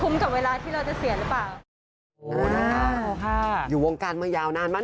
ไม่รู้เดี๋ยวดูกันว่าเป็นอย่างไรบ้าง